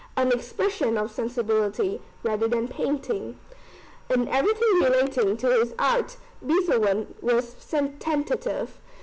[An expression of sensibility rather than painting.] In everything relating to his art Beethoven was tentative.